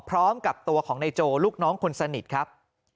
พร้อมกับตัวของนายโจลูกน้องคนสนิทครับ